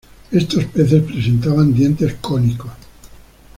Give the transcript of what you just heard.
Estos peces presentaban dientes cónicos.